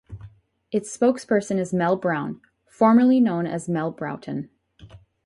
Its spokesperson is Mel Brown (formerly known as Mel Broughton).